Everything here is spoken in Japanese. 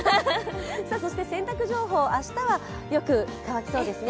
そして洗濯情報、明日はよく乾きそうですね。